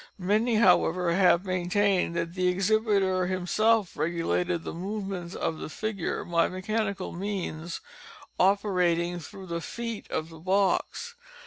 Many, however maintained that the exhibiter himself regulated the movements of the figure by mechanical means operating through the feet of the box.